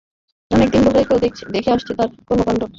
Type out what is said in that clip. অনেক দিন ধরেই তো দেখে আসছি তোর কর্মকাণ্ড।